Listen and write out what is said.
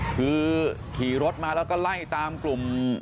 คือขี่รถมาแล้วก็ไล่ตามกลุ่ม